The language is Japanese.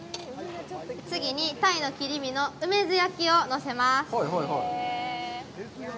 次に、鯛の切り身の梅酢焼きをのせます。